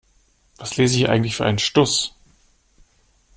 Was lese ich hier eigentlich für einen Stuss?